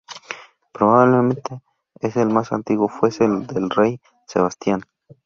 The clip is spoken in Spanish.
Probablemente el más antiguo fuese el del rey Sebastián.